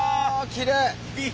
きれい！